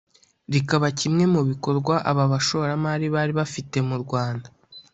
rikaba kimwe mu bikorwa aba bashoramari bari bafite mu Rwanda